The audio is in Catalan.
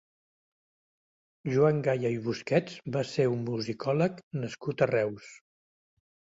Joan Gaya i Busquets va ser un musicòleg nascut a Reus.